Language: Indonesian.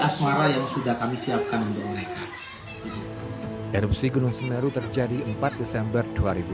asmara yang sudah kami siapkan untuk mereka erupsi gunung semeru terjadi empat desember dua ribu dua puluh